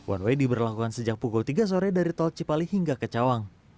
one way diberlakukan sejak pukul tiga sore dari tol cipali hingga ke cawang